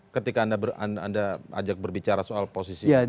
ketika anda ajak berbicara soal posisi